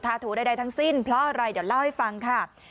โถใดทั้งสิ้นเพราะอะไรเดี๋ยวเล่าให้ฟังค่ะ